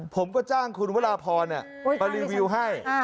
ผมก็จ้างคุณวราพรมารีวิวให้